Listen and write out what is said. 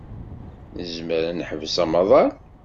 Nezmer ad neḥbes amaḍal.